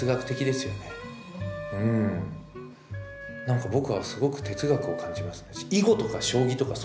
なんか僕はすごく哲学を感じます。